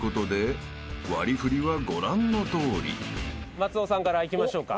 松尾さんからいきましょうか。